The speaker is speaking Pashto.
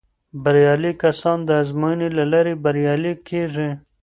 بریالي کسان د ازموینو له لارې بریالي کیږي.